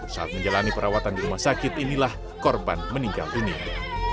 saat menjalani perawatan di rumah sakit inilah korban meninggal dunia